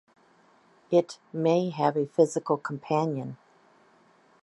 It may have a physical companion.